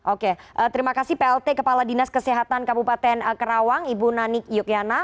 oke terima kasih plt kepala dinas kesehatan kabupaten kerawang ibu nanik yokyana